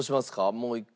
もう１個。